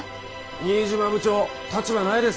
新島部長立場ないですね。